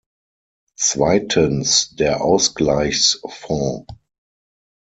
Zweitens, der Ausgleichsfonds.